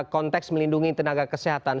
konteks melindungi tenaga kesehatan